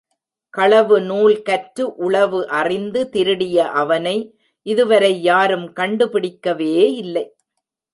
களவு நூல் கற்று உளவு அறிந்து திருடிய அவனை இதுவரை யாரும் கண்டு பிடிக்கவே இல்லை.